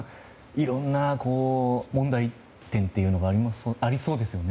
いろんな問題点というのがありそうですよね。